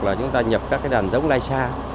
là chúng ta nhập các đàn giống lysa